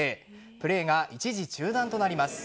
プレーが一時中断となります。